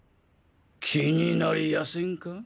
気になりやせんか？